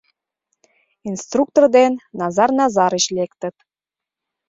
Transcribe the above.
Инструктор ден Назар Назарыч лектыт.